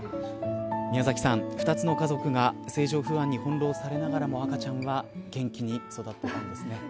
宮崎さん２つの家族が政情不安に翻弄されながらも赤ちゃんは元気に育ったようですね。